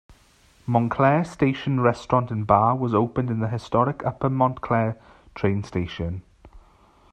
Montclair Station Restaurant and Bar was opened in the historic Upper Montclair train station.